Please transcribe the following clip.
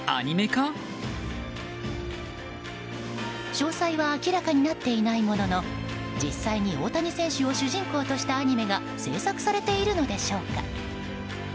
詳細は明らかになっていないものの実際に大谷選手を主人公としたアニメが制作されているのでしょうか。